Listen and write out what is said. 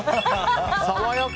爽やか！